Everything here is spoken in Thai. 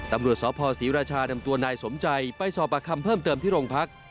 ตำรวจสพศรีราชานำตัวนายสมใจไปสอบประคำเพิ่มเติมที่โรงพัก